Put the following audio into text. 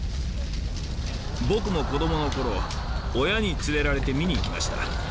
僕も子どもの頃親に連れられて見に行きました。